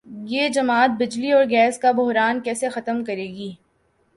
یہ جماعت بجلی اور گیس کا بحران کیسے ختم کرے گی؟